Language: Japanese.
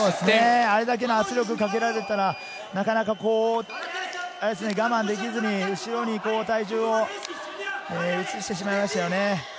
あれだけ圧力をかけられたら我慢できずに、後ろに体重を移してしまいましたね。